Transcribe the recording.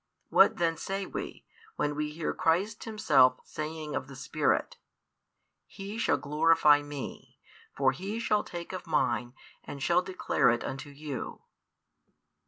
What then say we, when we hear Christ himself saying of the Spirit: He shall glorify Me; for He shall take of Mine and shall declare it unto you?